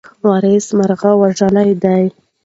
وارث مرغۍ وژلې ده.